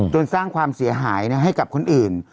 สร้างความเสียหายให้กับคนอื่น